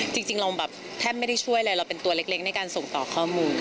จริงเราแบบแทบไม่ได้ช่วยอะไรเราเป็นตัวเล็กในการส่งต่อข้อมูล